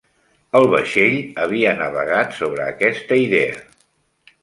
El vaixell havia navegat sobre aquesta idea.